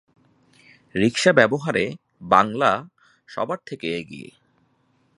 রিকশা ব্যবহারে বাংলা সবার থেকে এগিয়ে।